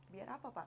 biar apa pak